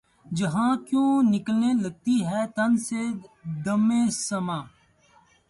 جاں کیوں نکلنے لگتی ہے تن سے‘ دمِ سماع